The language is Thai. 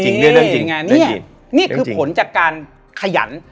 นี่คือผลจากการขยัน